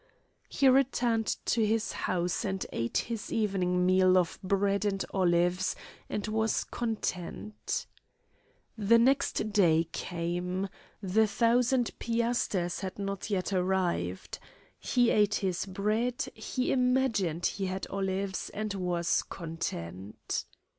He returned to his house and ate his evening meal of bread and olives, and was content. The next day came. The thousand piasters had not yet arrived. He ate his bread, he imagined he had olives, and was content.